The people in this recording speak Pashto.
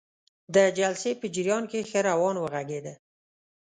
د جلسې په جریان کې ښه روان وغږیده.